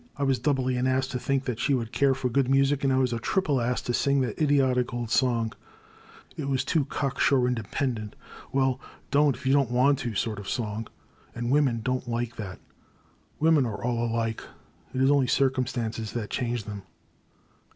I was doubly an ass to think that she would care for good music — I was a triple ass to sing that idiotic old song. It was a too cock sure in dependent — ^well don' t if you don*t want to! sort of song, and women don't like that. Women are all alike — ^it is only circumstances that change them.